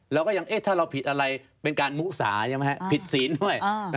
เราก็ยังเอ๊ะถ้าเราผิดอะไรเป็นการมุสาใช่ไหมครับผิดศีลด้วย